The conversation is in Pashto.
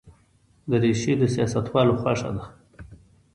دریشي د سیاستوالو خوښه ده.